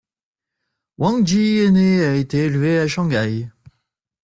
Wang Jie est née et a été élevée à Shanghai.